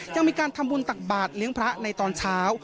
ยังมีการทำบุญตักบาทเลี้ยงพระในตอนเช้า